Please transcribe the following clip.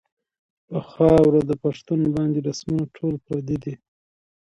پۀ خاؤره د پښتون باندې رسمونه ټول پردي دي